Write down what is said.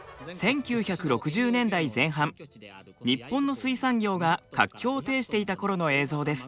１９６０年代前半日本の水産業が活況を呈していた頃の映像です。